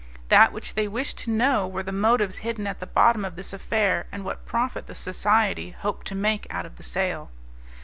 That which they wished to know were the motives hidden at the bottom of this affair and what profit the Society hoped to make out of the sale.